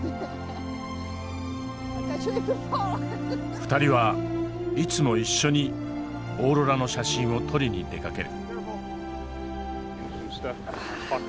２人はいつも一緒にオーロラの写真を撮りに出かける。